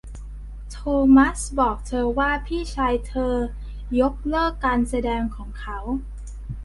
โทมัสบอกเธอว่าพี่ชายเธอยกเลิกการแสดงของเขา